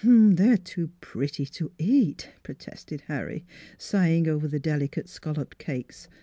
' 4 They are too pretty to eat," protested Harry, sighing over the delicate scalloped cakes.